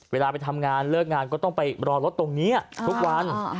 เวลาไปทำงานเลิกงานก็ต้องไปรอรถตรงนี้ทุกวัน